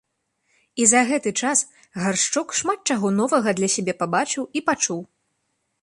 І за гэты час Гаршчок шмат чаго новага для сябе пабачыў і пачуў.